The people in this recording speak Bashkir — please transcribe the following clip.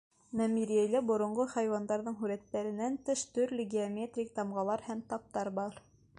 Мәмерйәлә боронғо хайуандарҙың һүрәттәренән тыш, төрлө геометрик тамғалар һәм таптар бар.